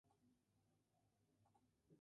Hojas alternas, enteras a serradas.